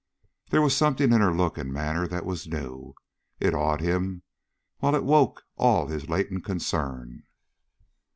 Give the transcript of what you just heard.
There was something in her look and manner that was new. It awed him, while it woke all his latent concern.